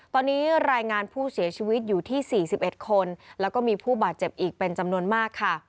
ตอนนี้รายงานผู้เสียชีวิตอยู่ที่๔๑คนแล้วก็มีผู้บาดเจ็บอีกเป็นจำนวนมากค่ะ